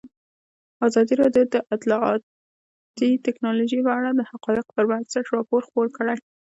ازادي راډیو د اطلاعاتی تکنالوژي په اړه د حقایقو پر بنسټ راپور خپور کړی.